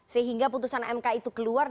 sehingga putusan mk itu keluar